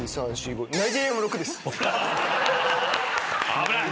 危ない。